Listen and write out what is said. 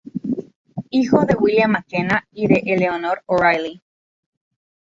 Hijo de William MacKenna y de Eleanor O'Reilly.